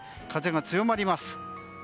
風が強まります。